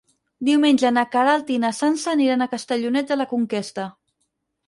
Diumenge na Queralt i na Sança aniran a Castellonet de la Conquesta.